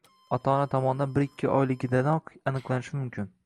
ota-ona tomonidan bir-ikki oyligidanoq aniqlanishi mumkin.